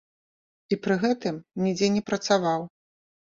І пры гэтым нідзе не працаваў.